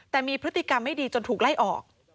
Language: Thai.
แต่มีพฤติกรรมไม่ดีจนถูกไล่ออก